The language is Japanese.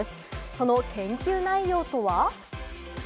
その研究内容とは？